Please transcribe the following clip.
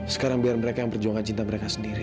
sekarang biar mereka yang berjuangkan cinta mereka sendiri